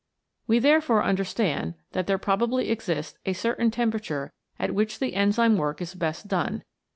We therefore understand that there probably exists a certain temperature at which the enzyme work is best done, viz.